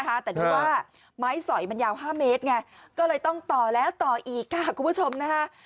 แต่ดูว่าไม้สอยมันยาว๕เมตรไงก็เลยต้องต่อแล้วต่ออีกค่ะคุณผู้ชมนะคะ